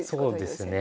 そうですね。